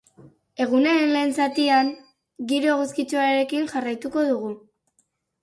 Egunaren lehen zatian giro eguzkitsuarekin jarraituko dugu.